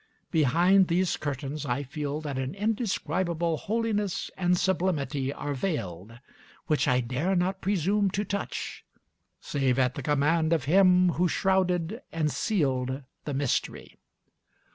Behind these curtains I feel that an indescribable holiness and sublimity are veiled, which I dare not presume to touch, save at the command of Him who shrouded and sealed the mystery.